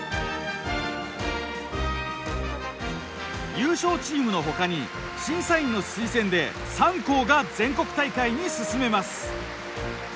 優勝チームのほかに審査員の推薦で３校が全国大会に進めます。